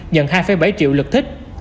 nhận hai bảy triệu lượt thích